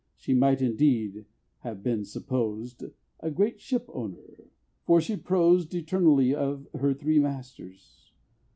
She might, indeed, have been supposed A great ship owner; for she prosed Eternally of her Three Masters!